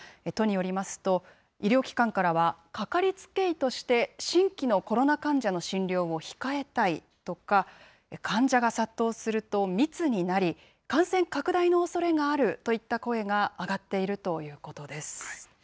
都によりますと、医療機関からは、かかりつけ医として新規のコロナ患者の診療を控えたいとか、患者が殺到すると、密になり、感染拡大のおそれがあるといった声が上がっているということです。